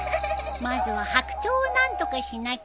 まずは白鳥を何とかしなきゃね。